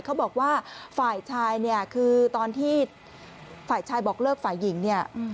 เขาบอกว่าฝ่ายชายเนี่ยคือตอนที่ฝ่ายชายบอกเลิกฝ่ายหญิงเนี่ย